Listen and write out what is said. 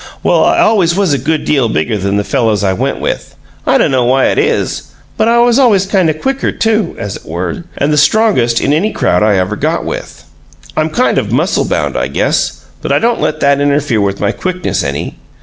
Well, I always was a good deal bigger than the fellas I went with. I dunno why it is, but I was always kind of quicker, too, as it were and the strongest in any crowd I ever got with. I'm kind of musclebound, I guess, but I don't let that interfere with my quickness any.